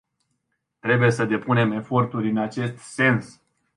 Trebuie să depunem eforturi în acest sens.